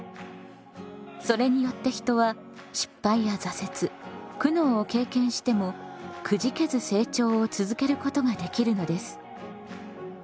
それによって人は失敗や挫折苦悩を経験してもくじけず成長を続けることができるのです。